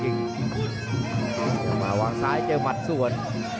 อยงมาวางซ้ายเจอมัดส่วน